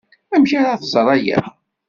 Amek ara tẓer aya?